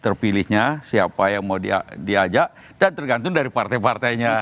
terpilihnya siapa yang mau diajak dan tergantung dari partai partainya